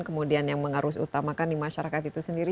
kemudian yang mengarus utamakan di masyarakat itu sendiri